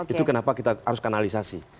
itu kenapa kita harus kanalisasi